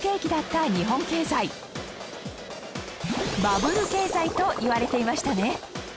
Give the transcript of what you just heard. バブル経済といわれていましたね